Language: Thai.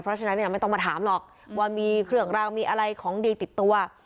เพราะฉะนั้นเนี่ยไม่ต้องมาถามหรอกว่ามีเครื่องรางมีอะไรของดีติดตัว